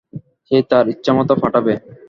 সে তার ইচ্ছামত পাঠাবে।